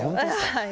はい。